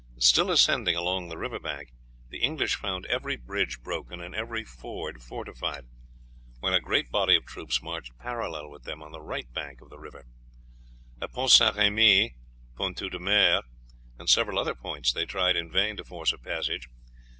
Still ascending along the river bank the English found every bridge broken and every ford fortified, while a great body of troops marched parallel with them on the right bank of the river. At Pont St. Remy, Ponteau de Mer, and several other points they tried in vain to force a passage.